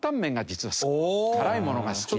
辛いものが好きで。